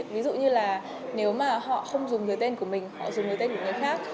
ví dụ như là nếu mà họ không dùng dưới tên của mình họ dùng dưới tên của người khác